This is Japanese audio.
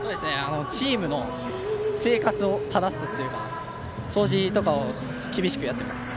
チームの生活を正すというか掃除とかを厳しくやってます。